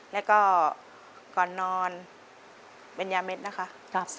แล้วก็ก่อนนอนเป็นยาเม็ดนะคะ